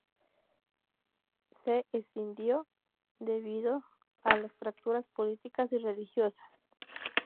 Se escindió debido a las fracturas políticas y religiosas.